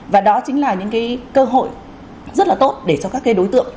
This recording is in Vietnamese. và đó chính là những cái cơ hội rất là tốt để cho các cái đối tượng